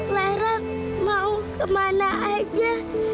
lara mau kemana aja